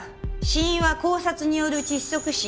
死因は絞殺による窒息死。